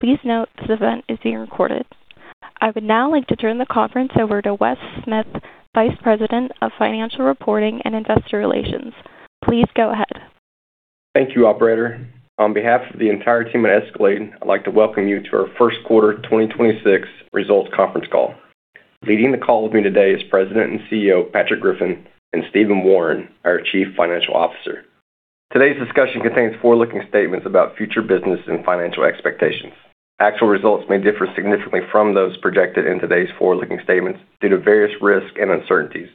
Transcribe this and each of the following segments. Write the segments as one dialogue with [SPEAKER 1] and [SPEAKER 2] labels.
[SPEAKER 1] Please note this event is being recorded. I would now like to turn the conference over to Wes Smith, Vice President of Financial Reporting and Investor Relations. Please go ahead.
[SPEAKER 2] Thank you, operator. On behalf of the entire team at Escalade, I'd like to welcome you to our first quarter 2026 results conference call. Leading the call with me today is President and CEO, Patrick Griffin, and Stephen Wawrin, our Chief Financial Officer. Today's discussion contains forward-looking statements about future business and financial expectations. Actual results may differ significantly from those projected in today's forward-looking statements due to various risks and uncertainties,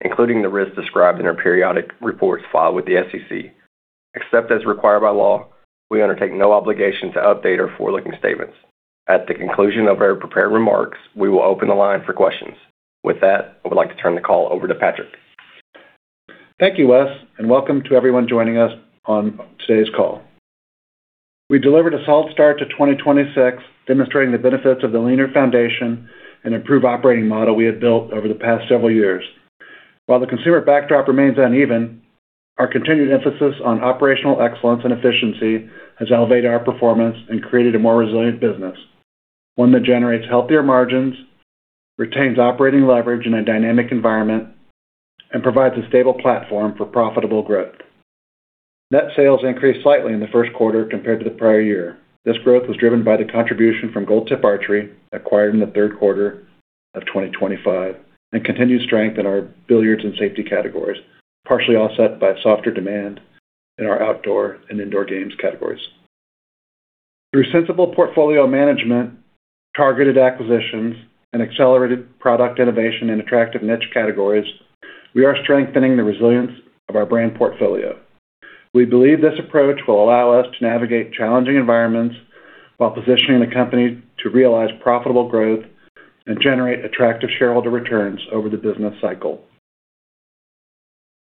[SPEAKER 2] including the risks described in our periodic reports filed with the SEC. Except as required by law, we undertake no obligation to update our forward-looking statements. At the conclusion of our prepared remarks, we will open the line for questions. With that, I would like to turn the call over to Patrick.
[SPEAKER 3] Thank you, Wes, and welcome to everyone joining us on today's call. We delivered a solid start to 2026, demonstrating the benefits of the leaner foundation and improved operating model we had built over the past several years. While the consumer backdrop remains uneven, our continued emphasis on operational excellence and efficiency has elevated our performance and created a more resilient business, one that generates healthier margins, retains operating leverage in a dynamic environment, and provides a stable platform for profitable growth. Net sales increased slightly in the first quarter compared to the prior year. This growth was driven by the contribution from Gold Tip, acquired in the third quarter of 2025, and continued strength in our billiards and safety categories, partially offset by softer demand in our outdoor and indoor games categories. Through sensible portfolio management, targeted acquisitions, and accelerated product innovation in attractive niche categories, we are strengthening the resilience of our brand portfolio. We believe this approach will allow us to navigate challenging environments while positioning the company to realize profitable growth and generate attractive shareholder returns over the business cycle.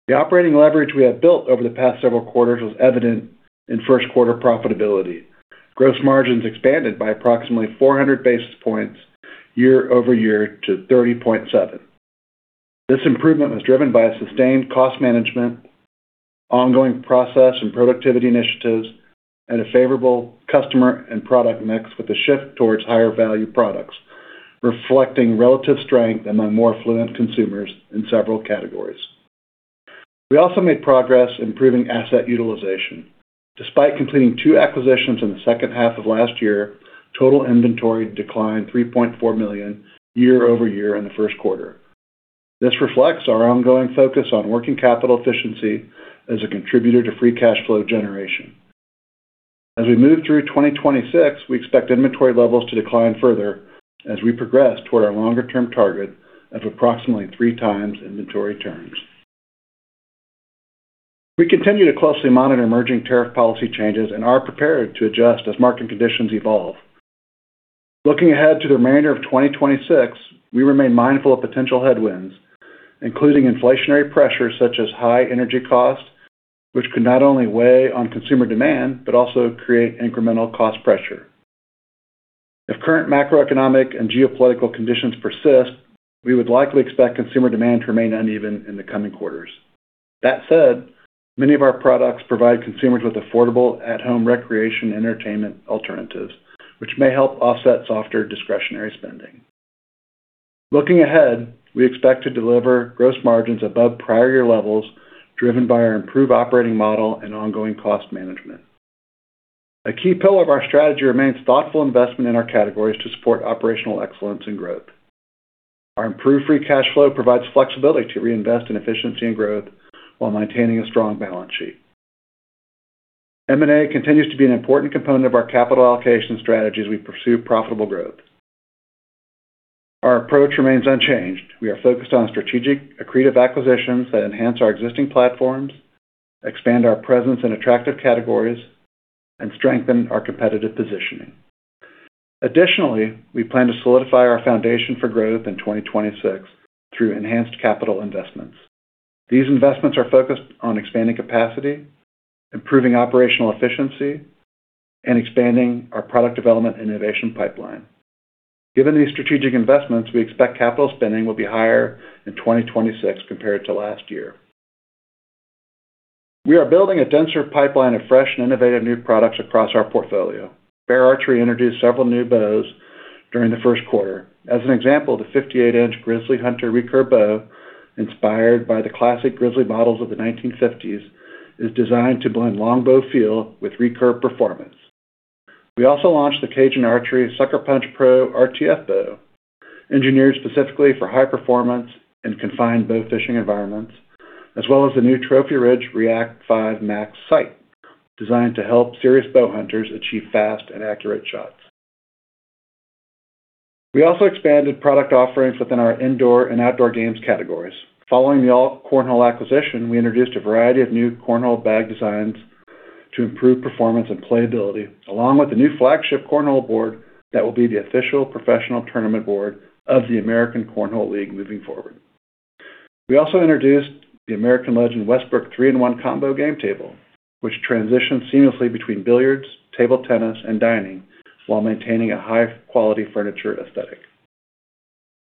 [SPEAKER 3] The operating leverage we have built over the past several quarters was evident in first quarter profitability. Gross margins expanded by approximately 400 basis points year-over-year to 30.7%. This improvement was driven by a sustained cost management, ongoing process and productivity initiatives, and a favorable customer and product mix with a shift towards higher value products, reflecting relative strength among more affluent consumers in several categories. We also made progress improving asset utilization. Despite completing two acquisitions in the second half of last year, total inventory declined $3.4 million year-over-year in the first quarter. This reflects our ongoing focus on working capital efficiency as a contributor to free cash flow generation. As we move through 2026, we expect inventory levels to decline further as we progress toward our longer-term target of approximately 3x inventory turns. We continue to closely monitor emerging tariff policy changes and are prepared to adjust as market conditions evolve. Looking ahead to the remainder of 2026, we remain mindful of potential headwinds, including inflationary pressures such as high energy costs, which could not only weigh on consumer demand but also create incremental cost pressure. If current macroeconomic and geopolitical conditions persist, we would likely expect consumer demand to remain uneven in the coming quarters. That said, many of our products provide consumers with affordable at-home recreation entertainment alternatives, which may help offset softer discretionary spending. Looking ahead, we expect to deliver gross margins above prior year levels, driven by our improved operating model and ongoing cost management. A key pillar of our strategy remains thoughtful investment in our categories to support operational excellence and growth. Our improved free cash flow provides flexibility to reinvest in efficiency and growth while maintaining a strong balance sheet. M&A continues to be an important component of our capital allocation strategy as we pursue profitable growth. Our approach remains unchanged. We are focused on strategic accretive acquisitions that enhance our existing platforms, expand our presence in attractive categories, and strengthen our competitive positioning. Additionally, we plan to solidify our foundation for growth in 2026 through enhanced capital investments. These investments are focused on expanding capacity, improving operational efficiency, and expanding our product development innovation pipeline. Given these strategic investments, we expect capital spending will be higher in 2026 compared to last year. We are building a denser pipeline of fresh and innovative new products across our portfolio. Bear Archery introduced several new bows during the first quarter. As an example, the 58-inch Grizzly Hunter recurve bow, inspired by the classic Grizzly models of the 1950s, is designed to blend longbow feel with recurve performance. We also launched the Cajun Bowfishing Sucker Punch Pro RTF bow, engineered specifically for high performance and confined bow fishing environments, as well as the new Trophy Ridge React 5 Max sight, designed to help serious bow hunters achieve fast and accurate shots. We also expanded product offerings within our indoor and outdoor games categories. Following the Cornhole acquisition, we introduced a variety of new Cornhole bag designs to improve performance and playability, along with the new flagship Cornhole board that will be the official professional tournament board of the American Cornhole League moving forward. We also introduced the American Legend Westbrook 3-in-1 combo game table, which transitions seamlessly between billiards, table tennis, and dining while maintaining a high-quality furniture aesthetic.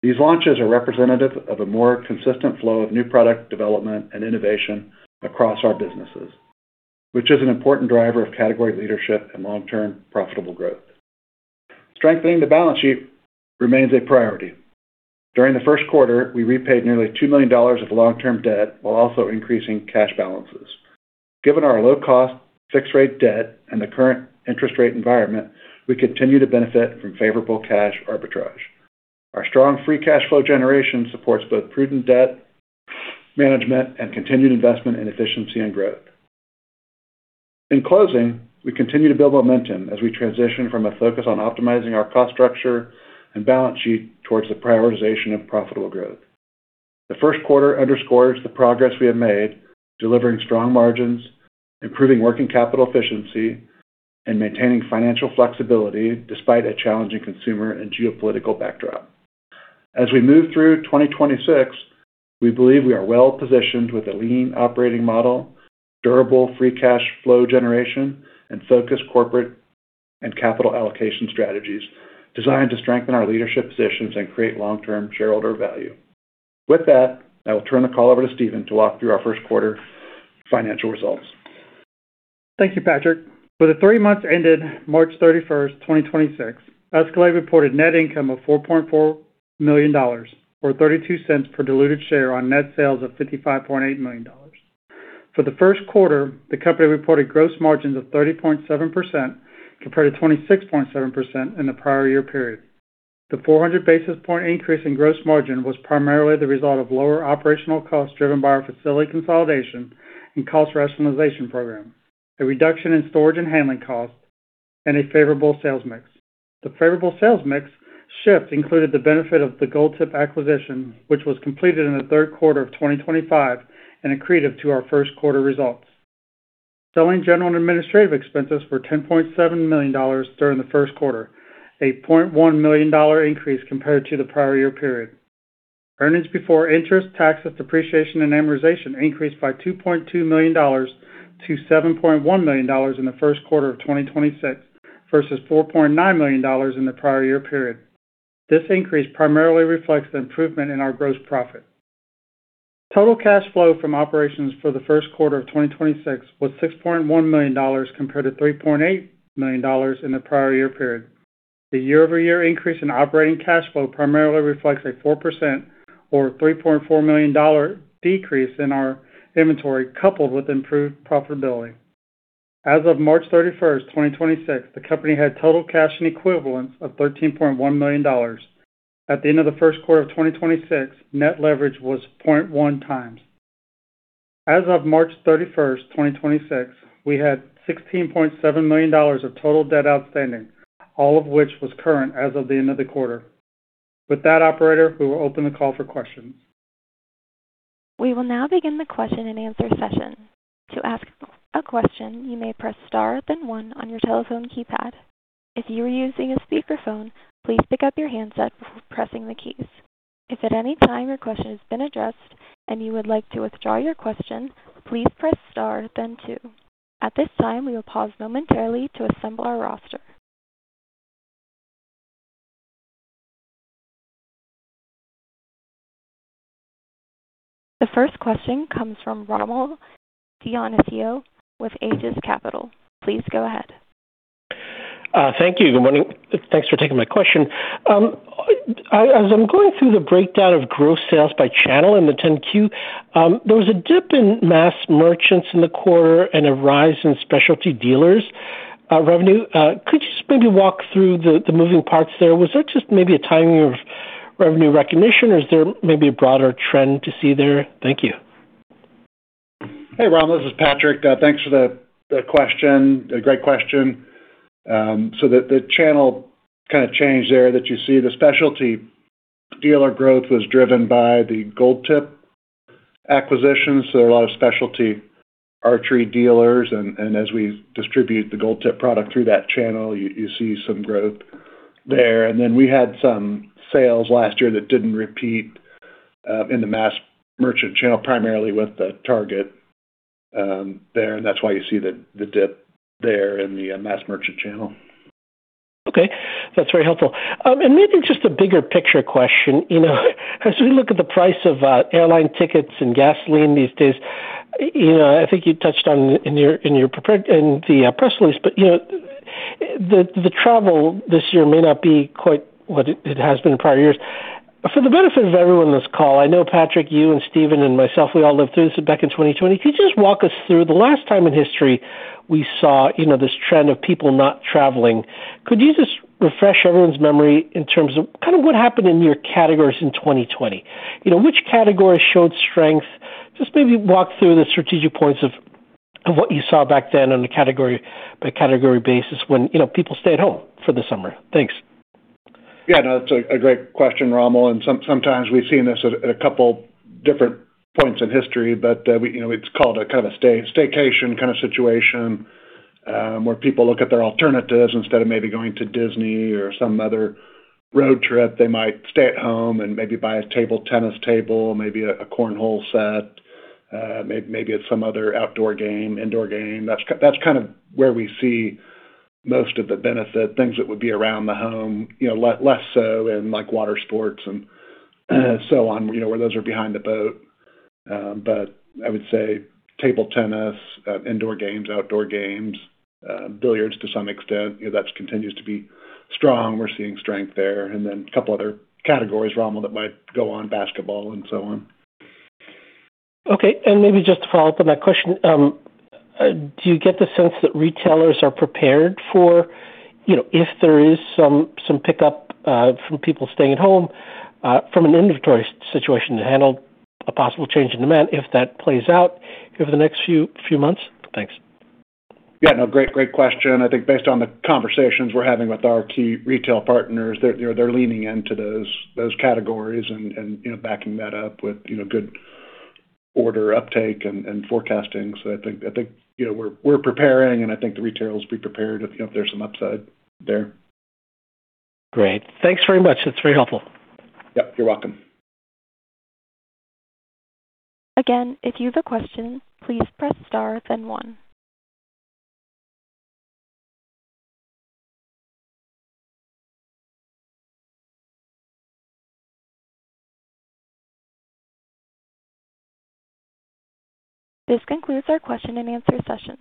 [SPEAKER 3] These launches are representative of a more consistent flow of new product development and innovation across our businesses, which is an important driver of category leadership and long-term profitable growth. Strengthening the balance sheet remains a priority. During the first quarter, we repaid nearly $2 million of long-term debt while also increasing cash balances. Given our low cost, fixed rate debt and the current interest rate environment, we continue to benefit from favorable cash arbitrage. Our strong free cash flow generation supports both prudent debt management and continued investment in efficiency and growth. In closing, we continue to build momentum as we transition from a focus on optimizing our cost structure and balance sheet towards the prioritization of profitable growth. The first quarter underscores the progress we have made delivering strong margins, improving working capital efficiency, and maintaining financial flexibility despite a challenging consumer and geopolitical backdrop. As we move through 2026, we believe we are well-positioned with a lean operating model, durable free cash flow generation, and focused corporate and capital allocation strategies designed to strengthen our leadership positions and create long-term shareholder value. With that, I will turn the call over to Stephen to walk through our first quarter financial results.
[SPEAKER 4] Thank you, Patrick. For the three months ended March 31, 2026, Escalade reported net income of $4.4 million, or $0.32 per diluted share on net sales of $55.8 million. For the first quarter, the company reported gross margins of 30.7% compared to 26.7% in the prior year period. The 400 basis point increase in gross margin was primarily the result of lower operational costs driven by our facility consolidation and cost rationalization program, a reduction in storage and handling costs, and a favorable sales mix. The favorable sales mix shift included the benefit of the Gold Tip acquisition, which was completed in the third quarter of 2025 and accretive to our first quarter results. Selling, General and Administrative expenses were $10.7 million during the first quarter, a $0.1 million increase compared to the prior year period. Earnings Before Interest, Taxes, Depreciation, and Amortization increased by $2.2 million to $7.1 million in the first quarter of 2026 versus $4.9 million in the prior year period. This increase primarily reflects the improvement in our gross profit. Total cash flow from operations for the first quarter of 2026 was $6.1 million compared to $3.8 million in the prior year period. The year-over-year increase in operating cash flow primarily reflects a 4% or $3.4 million decrease in our inventory coupled with improved profitability. As of March 31, 2026, the company had total cash and equivalents of $13.1 million. At the end of the first quarter of 2026, net leverage was 0.1x. As of March 31, 2026, we had $16.7 million of total debt outstanding, all of which was current as of the end of the quarter. With that, operator, we will open the call for questions.
[SPEAKER 1] We will now begin the question and answer session. To ask a question, you may press star then one on your telephone keypad. If you are using a speaker phone, please pick up your handset before pressing the keys. If at any time your question has been addressed and you would like to withdraw your question, please press star then two. At this time, we will pause momentarily to assemble our roster. The first question comes from Rommel Dionisio with Aegis Capital. Please go ahead.
[SPEAKER 5] Thank you. Good morning. Thanks for taking my question. As I'm going through the breakdown of gross sales by channel in the 10-Q, there was a dip in mass merchants in the quarter and a rise in specialty dealers revenue. Could you just maybe walk through the moving parts there? Was that just maybe a timing of revenue recognition or is there maybe a broader trend to see there? Thank you.
[SPEAKER 3] Hey, Rommel, this is Patrick. Thanks for the question. A great question. The channel kinda changed there that you see. The specialty dealer growth was driven by the Gold Tip acquisition. A lot of specialty archery dealers and as we distribute the Gold Tip product through that channel, you see some growth there. We had some sales last year that didn't repeat in the mass merchant channel, primarily with the Target there, that's why you see the dip there in the mass merchant channel.
[SPEAKER 5] Okay, that's very helpful. Maybe just a bigger picture question. You know, as we look at the price of airline tickets and gasoline these days, you know, I think you touched on in your in the press release, but, you know, the travel this year may not be quite what it has been in prior years. For the benefit of everyone on this call, I know, Patrick, you and Stephen and myself, we all lived through this back in 2020. Could you just walk us through the last time in history we saw, you know, this trend of people not traveling? Could you just refresh everyone's memory in terms of kind of what happened in your categories in 2020? You know, which categories showed strength? Just maybe walk through the strategic points of what you saw back then on a category by category basis when, you know, people stayed home for the summer. Thanks.
[SPEAKER 3] Yeah, no, it's a great question, Rommel, sometimes we've seen this at a couple different points in history, but we, you know, it's called a kind of staycation kind of situation, where people look at their alternatives instead of maybe going to Disney or some other road trip. They might stay at home and maybe buy a table tennis table, maybe a Cornhole set. Maybe it's some other outdoor game, indoor game. That's kind of where we see most of the benefit, things that would be around the home. You know, less so in like water sports and so on, you know, where those are behind the boat. I would say table tennis, indoor games, outdoor games, billiards to some extent. You know, that's continues to be strong. We're seeing strength there. A couple other categories, Rommel, that might go on, basketball and so on.
[SPEAKER 5] Okay, maybe just to follow up on that question. Do you get the sense that retailers are prepared for, you know, if there is some pickup from people staying at home from an inventory situation to handle a possible change in demand if that plays out over the next few months? Thanks.
[SPEAKER 3] Yeah, no, great question. I think based on the conversations we're having with our key retail partners, they're, you know, leaning into those categories and, you know, backing that up with, you know, good order uptake and forecasting. I think, you know, we're preparing, and I think the retailers will be prepared if, you know, there's some upside there.
[SPEAKER 5] Great. Thanks very much. That's very helpful.
[SPEAKER 3] Yep, you're welcome.
[SPEAKER 1] Again, If you have a question, please press star then one. This concludes our question and answer session.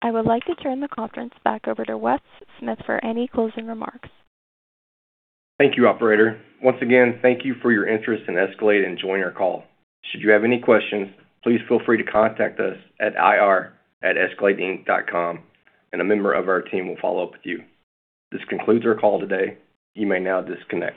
[SPEAKER 1] I would like to turn the conference back over to Wes Smith for any closing remarks.
[SPEAKER 2] Thank you, operator. Once again, thank you for your interest in Escalade and joining our call. Should you have any questions, please feel free to contact us at ir@escaladeinc.com, and a member of our team will follow up with you. This concludes our call today. You may now disconnect.